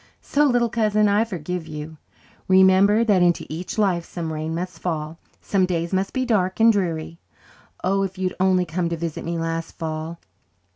So, little cousin, I forgive you. Remember that 'into each life some rain must fall, some days must be dark and dreary.' Oh, if you'd only come to visit me last fall.